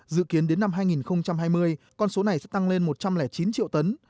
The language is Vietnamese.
dự kiến đến năm hai nghìn hai mươi con số này sẽ tăng lên một trăm linh chín triệu tấn